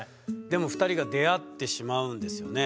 でも２人が出会ってしまうんですよね。